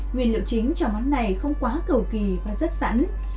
nguyên liệu chính cho món này không quá cầu kỳ và rất sẵn